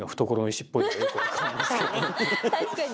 確かに。